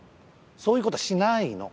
そういう事はしないの。